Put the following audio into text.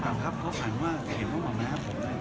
แต่ครับเขาฝันว่าสะเก็บบ้างนะครับ